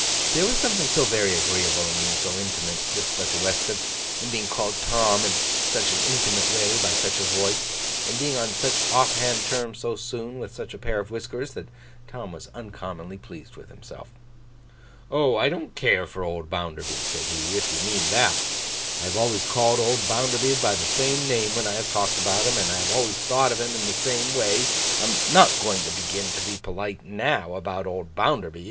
There was something so very agreeable in being so intimate with such a waistcoat; in being called Tom, in such an intimate way, by such a voice; in being on such off hand terms so soon, with such a pair of whiskers; that Tom was uncommonly pleased with himself. 'Oh! I don't care for old Bounderby,' said he, 'if you mean that. I have always called old Bounderby by the same name when I have talked about him, and I have always thought of him in the same way. I am not going to begin to be polite now, about old Bounderby.